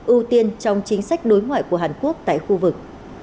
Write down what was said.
ưu tiên trong chính sách đối ngoại của hàn quốc tại khu vực